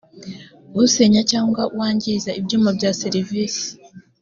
usenya cyangwa wangiza ibyuma bya serivisi